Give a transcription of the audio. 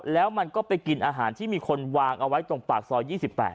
แล้วมันก็ไปกินอาหารที่มีคนวางเอาไว้ตรงปากซอย๒๘